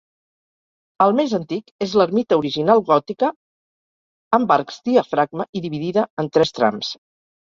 El més antic és l'ermita original gòtica, amb arcs diafragma i dividida en tres trams.